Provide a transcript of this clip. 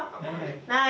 ない。